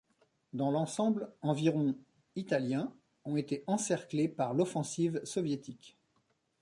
Dans l'ensemble, environ Italiens ont été encerclés par l'offensive soviétique.